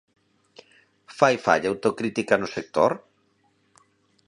Fai falla autocrítica no sector?